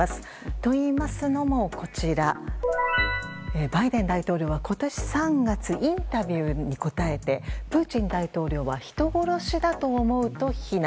といいますのもバイデン大統領は今年３月インタビューに答えてプーチン大統領は人殺しだと思うと非難。